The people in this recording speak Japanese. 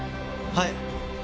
はい。